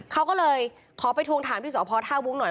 เขาก็เลยขอไปทวงถามที่สพท่าวุ้งหน่อย